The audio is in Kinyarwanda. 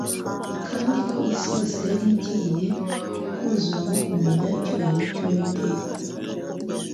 kandi ko isi yose yari igiye kuzuramo kumenya icyubahiro cy'Uwiteka.